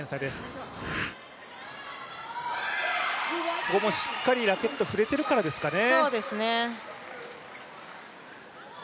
ここもしっかりラケットが振れているからですかね。